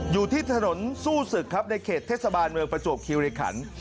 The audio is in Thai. อยู่ที่ถนนสู้ศึกครับในเขตเทศบาลเมืองประจวบคิวริขัน